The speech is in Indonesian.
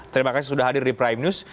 terima kasih sudah hadir di prime news